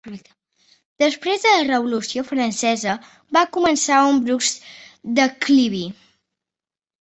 Després de la Revolució francesa va començar un brusc declivi.